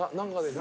何？